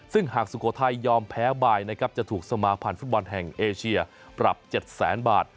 ซึ่งหากสุโกไทยยอมแพ้บายจะถูกสมาพันธ์ฟุตบอลแห่งเอเชียปรับ๗๐๐๐๐๐บาท